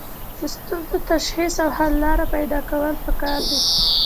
د ستونزو تشخیص او حل لاره پیدا کول پکار دي.